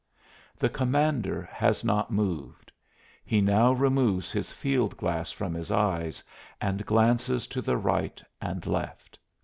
The commander has not moved. He now removes his field glass from his eyes and glances to the right and left.